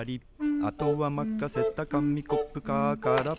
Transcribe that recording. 「あとはまかせたかみコップカーから」